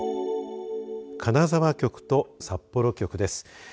金沢局と札幌局です。